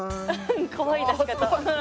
かわいい出し方。